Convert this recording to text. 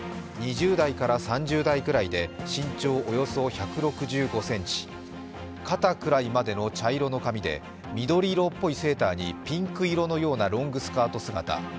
２０代から３０代くらいで身長およそ１６５ｃｍ、肩くらいまでの茶色の髪で緑色っぽいセーターにピンク色のようなロングスカート姿。